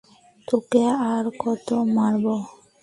তোকে আর কত মারব!